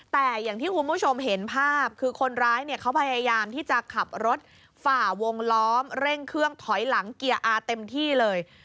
แต่อย่างที่คุณผู้ชมเห็นภาพคือคนร้ายเนี่ยเขาพยายามที่จะขับรถฝ่าวงล้อมเร่งเครื่องถอยหลังเกียร์อาเต็มที่เลย